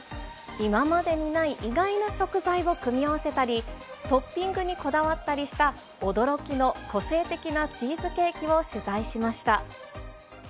今までにない意外な食材を組み合わせたり、トッピングにこだわったりした、驚きの個性的なチーズケーキを取材しました。